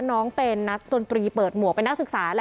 น้องเป็นนักดนตรีเปิดหมวกเป็นนักศึกษาแหละ